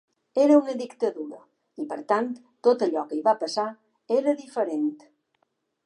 Era una dictadura i, per tant, tot allò que hi va passar era diferent.